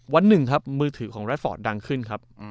วันหนึ่งครับมือถือของแรดฟอร์ตดังขึ้นครับ